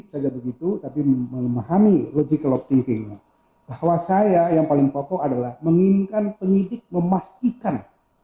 siapa sesungguhnya yang melakukan penembakan